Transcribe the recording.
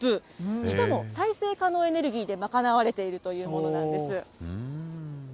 しかも再生可能エネルギーで賄われているということなんです。